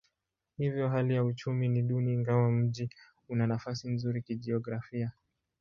Hivyo hali ya uchumi ni duni ingawa mji una nafasi nzuri kijiografia.